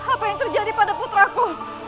apa yang terjadi pada putraku